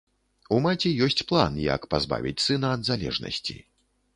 У маці ёсць план, як пазбавіць сына ад залежнасці.